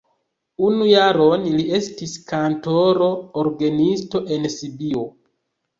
Unu jaron li estis kantoro orgenisto en Sibio.